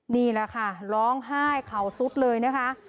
นี่แหละค่ะร้องไห้เข่าซุดเลยนะคะ